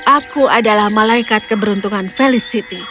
aku adalah malaikat keberuntungan feliciti